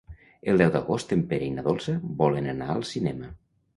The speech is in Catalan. El deu d'agost en Pere i na Dolça volen anar al cinema.